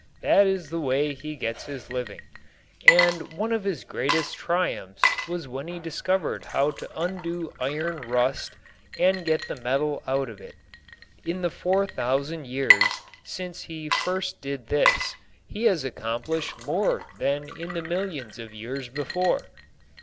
That is the way he gets his living. And one of his greatest triumphs was when he discovered how to undo iron rust and get the metal out of it. In the four thousand years since he first did this he has accomplished more than in the millions of years before.